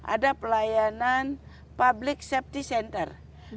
ada pelayanan public safety center